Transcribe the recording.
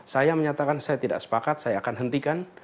saya menyatakan saya tidak sepakat saya akan hentikan